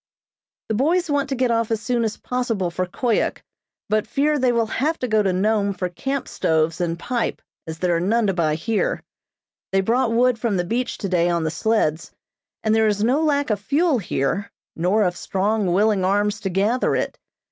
The boys want to get off as soon as possible for Koyuk, but fear they will have to go to Nome for camp stoves and pipe, as there are none to buy here. They brought wood from the beach today on the sleds, and there is no lack of fuel here, nor of strong, willing arms to gather it.